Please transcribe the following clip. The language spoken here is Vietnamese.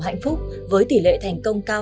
hạnh phúc với tỷ lệ thành công cao